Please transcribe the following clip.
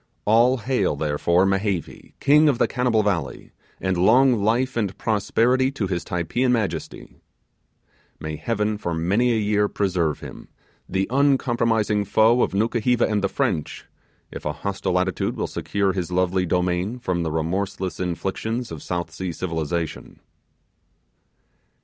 All hail, therefore, Mehevi, King of the Cannibal Valley, and long life and prosperity to his Typeean majesty! May Heaven for many a year preserve him, the uncompromising foe of Nukuheva and the French, if a hostile attitude will secure his lovely domain from the remorseless inflictions of South Sea civilization.